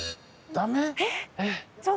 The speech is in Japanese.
ダメ？